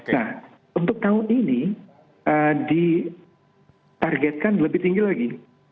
nah untuk tahun ini ditargetkan lebih tinggi lagi